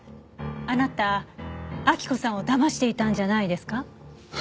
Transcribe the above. あなた明子さんを騙していたんじゃないですか？